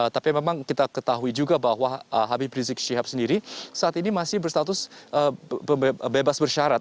tapi memang kita ketahui juga bahwa habib rizik syihab sendiri saat ini masih berstatus bebas bersyarat